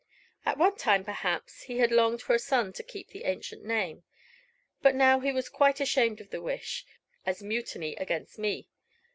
At one time, perhaps, he had longed for a son to keep the ancient name, but now he was quite ashamed of the wish, as mutiny against me.